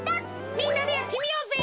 みんなでやってみようぜ。